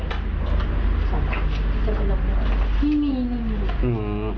ไม่มีไม่มี